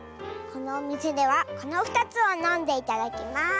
このおみせではこの２つをのんでいただきます。